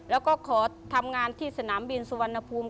แล้วก็ขอทำงานที่สนามบินสุวรรณภูมิ